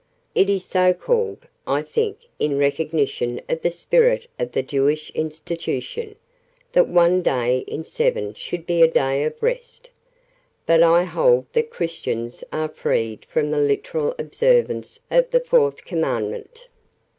"It is so called, I think, in recognition of the spirit of the Jewish institution, that one day in seven should be a day of rest. But I hold that Christians are freed from the literal observance of the Fourth Commandment."